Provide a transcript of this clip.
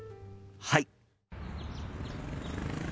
はい！